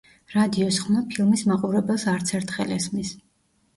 რადიოს ხმა ფილმის მაყურებელს არცერთხელ ესმის.